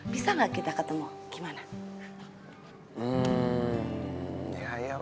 bisa nggak kita ketemu gimana